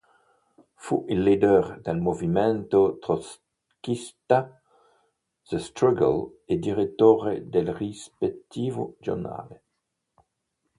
Fu il leader del movimento trotskista "The Struggle" e direttore del rispettivo giornale.